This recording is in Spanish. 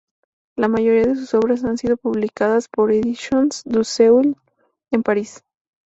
La mayoría de sus obras han sido publicadas por "Editions du Seuil" en París.